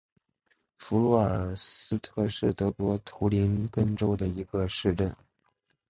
弗卢尔斯特是德国图林根州的一个市镇。